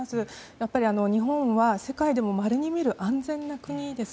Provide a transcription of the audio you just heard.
やっぱり日本は世界でもまれに見る安全な国です。